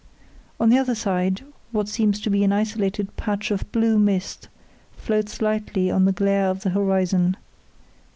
On the other side, what seems to be an isolated patch of blue mist floats lightly on the glare of the horizon.